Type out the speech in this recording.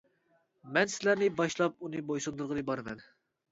مەن سىلەرنى باشلاپ ئۇنى بويسۇندۇرغىلى بارىمەن.